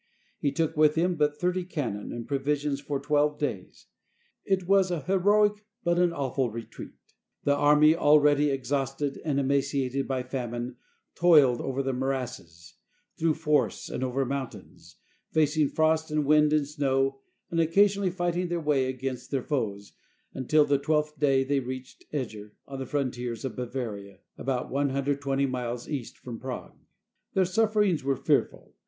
He took with him but thirty cannon and provisions for twelve days. It was a heroic but an awful retreat. The army, already exhausted and emaciated by famine, toiled on over morasses, through forests, over moun tains, facing frost and wind and snow, and occasionally fighting their way against their foes, until on the twelfth day they reached Eger, on the frontiers of Bavaria, about 1 20 miles east from Prague. Their sufferings were fearful.